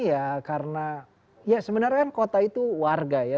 ya karena sebenarnya kota itu warga ya